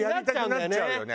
なっちゃうんだよね。